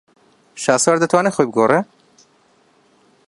شاسوار دەتوانێت خۆی بگۆڕێت.